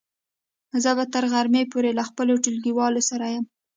زه به تر غرمې پورې له خپلو ټولګیوالو سره يم.